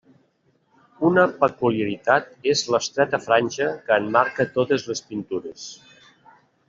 Una peculiaritat és l'estreta franja que emmarca totes les pintures.